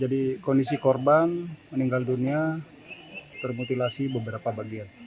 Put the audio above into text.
kondisi korban meninggal dunia termutilasi beberapa bagian